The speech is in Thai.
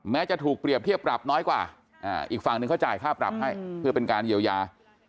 จะถูกเปรียบเทียบปรับน้อยกว่าอีกฝั่งหนึ่งเขาจ่ายค่าปรับให้เพื่อเป็นการเยียวยา